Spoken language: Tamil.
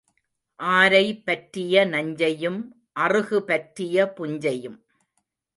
ஆரை பற்றிய நஞ்சையும் அறுகு பற்றிய புஞ்சையும்.